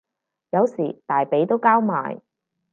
有時大髀都交埋